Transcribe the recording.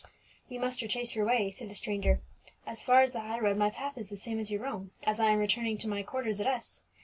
"You must retrace your way," said the stranger. "As far as the high road my path is the same as your own, as I am returning to my quarters at S